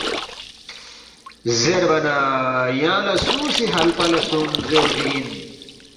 زیربا نہ ”یانگ لہ سُو سی ہلپہ لہ سونگ زیرفی اِن؟“